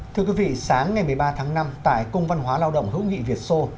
thưa quý vị sáng ngày một mươi ba tháng năm tại công văn hóa lao động hữu nghị việt sô